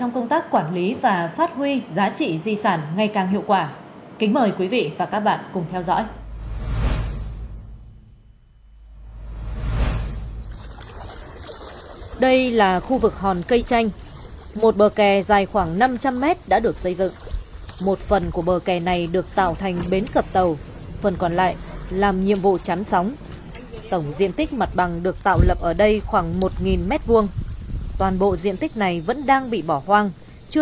các bạn hãy đăng ký kênh để ủng hộ kênh của chúng mình nhé